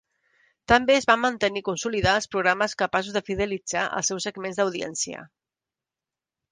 També es van mantenir i consolidar els programes capaços de fidelitzar els seus segments d’audiència.